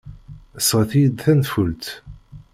Sɣet-iyi-d tanfult.